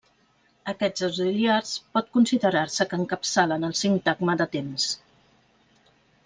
Aquests auxiliars pot considerar-se que encapçalen el sintagma de temps.